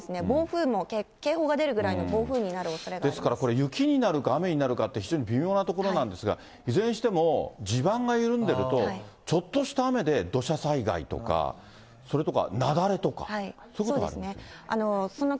暴風も、警報が出るぐらいの暴風ですからこれ、雪になるか雨になるかって、非常に微妙なところなんですが、いずれにしても、地盤が緩んでいると、ちょっとした雨で土砂災害とか、それとか、雪崩とか、そういうことがありますよね。